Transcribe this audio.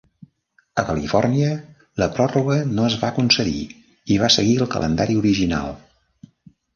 A Califòrnia, la pròrroga no es va concedir i va seguir el calendari original.